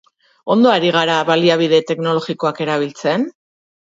Ondo ari al gara baliabide teknologikoak erabiltzen?